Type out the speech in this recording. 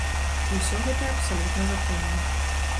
І ўсё гэта абсалютна законна.